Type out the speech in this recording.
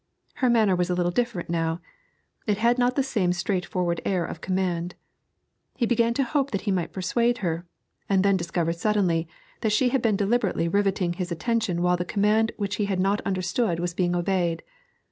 Her manner was a little different now it had not the same straightforward air of command. He began to hope that he might persuade her, and then discovered suddenly that she had been deliberately riveting his attention while the command which he had not understood was being obeyed.